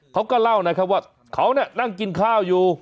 เขาก็เล่านะครับว่าเขานั่งกินข้าวอยู่